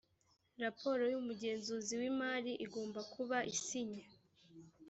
raporo y’umugenzuzi w’imari igomba kuba isinye